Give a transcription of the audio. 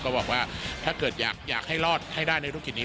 บอกว่าถ้าเกิดอยากให้รอดให้ได้ในธุรกิจนี้